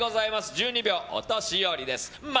１２秒、お年寄りです。